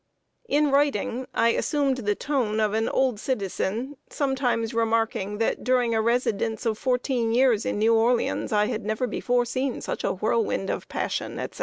In writing, I assumed the tone of an old citizen, sometimes remarking that during a residence of fourteen years in New Orleans, I had never before seen such a whirlwind of passion, etc.